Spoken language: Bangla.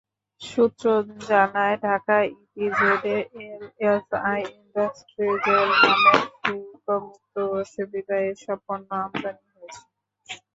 সূত্র জানায়, ঢাকা ইপিজেডে এলএসআই ইন্ডাস্ট্রিজের নামে শুল্কমুক্ত সুবিধায় এসব পণ্য আমদানি হয়েছে।